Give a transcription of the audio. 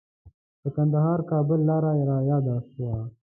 د کندهار-کابل لاره رایاده شوه.